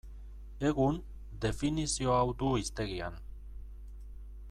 Egun, definizio hau du hiztegian.